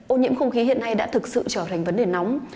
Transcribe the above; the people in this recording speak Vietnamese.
ô nhiễm không khí hiện nay đã thực sự trở thành vấn đề nóng